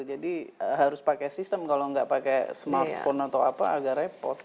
harus pakai sistem kalau nggak pakai smartphone atau apa agak repot